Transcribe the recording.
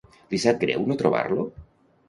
Li sap greu no trobar-lo?